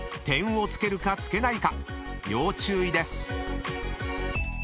［点を付けるか付けないか要注意です］